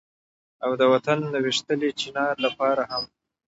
او د وطن د ويشتلي چينار لپاره هم